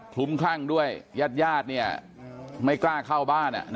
พลุ้มครั่งด้วยญาติยาดไม่กล้าเข้าบ้าน